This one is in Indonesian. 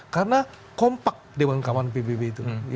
karena kompak dewan kawan pbb itu